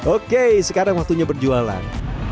oke sekarang waktunya berjualan